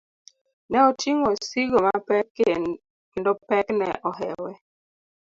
Ne oting'o osigo mapek kendo pek ne ohewe.